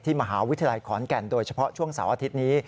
มหาวิทยาลัยขอนแก่นโดยเฉพาะช่วงเสาร์อาทิตย์นี้